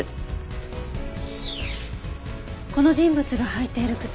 この人物が履いている靴